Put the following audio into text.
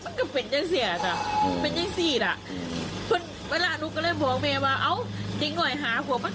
แล้วเคยมีคดีหรอ